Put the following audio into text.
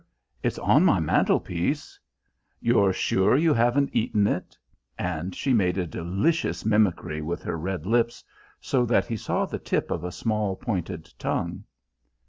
It's on my mantelpiece " "You're sure you haven't eaten it?" and she made a delicious mimicry with her red lips, so that he saw the tip of a small pointed tongue.